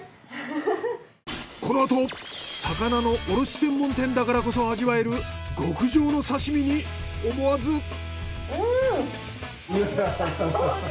このあと魚の卸専門店だからこそ味わえる極上の刺身に思わず。